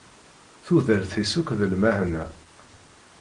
Tudert-is akk d lmeḥna.